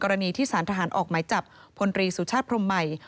รณีที่สารทหารออกหมายจับพลตรีสุชาติพรมใหม่